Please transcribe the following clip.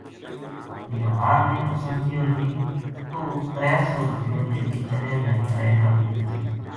لوہار نے اُساں کہیو جی توہ ترے سو رُپیو لے کے چلے یا ترے گل لے کے چلے